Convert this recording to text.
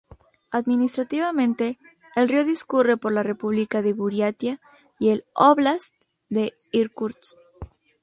Administrativamente, el río discurre por la república de Buriatia y el óblast de Irkutsk.